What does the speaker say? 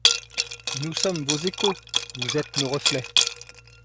Nous sommes vos échos, vous êtes nos reflets ;